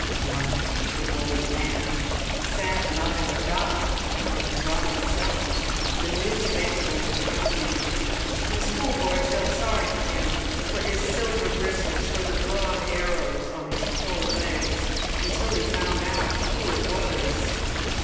One, a little old man, sat not in the dock but on the drop itself, the noose dangling in front of him; and the schoolboy felt sorry for him, for his silver bristles, for the broad arrows on his poor legs, until he found out who it was.